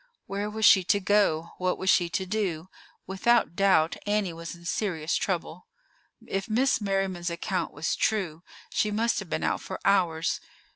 Where was she to go? What was she to do? Without doubt, Annie was in serious trouble. If Miss Merriman's account was true, she must have been out for hours.